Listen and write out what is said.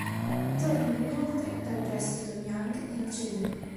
Tornano inoltre dal prestito Niang e Nocerino.